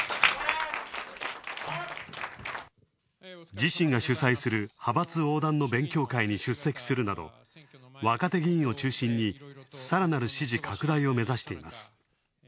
自身が主催する派閥横断の勉強会に出席するなど若手議員を中心にさらなる支持拡大を目指しています。